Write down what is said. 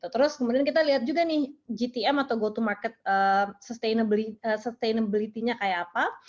terus kemudian kita lihat juga nih gtm atau go to market sustainability nya kayak apa